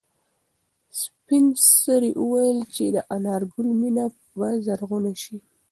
سپین سرې وویل چې د انارګل مېنه به زرغونه شي.